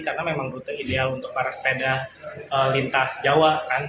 karena memang menurut saya ideal untuk para sepeda lintas jawa kan